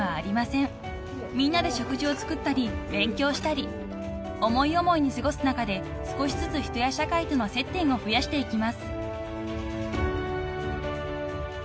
［みんなで食事を作ったり勉強したり思い思いに過ごす中で少しずつ人や社会との接点を増やしていきます］